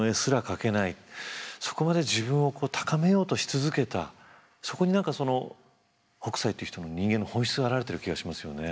そこまで自分を高めようとし続けたそこに何かその北斎という人の人間の本質が表れてる気がしますよね。